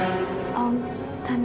mak su friday